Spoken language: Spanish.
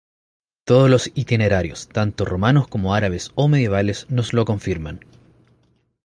Todos los itinerarios, tanto romanos como árabes o medievales, nos lo confirman.